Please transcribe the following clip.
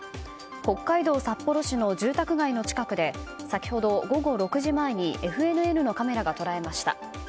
北海道札幌市の住宅街の近くで先ほど午後６時前にＦＮＮのカメラが捉えました。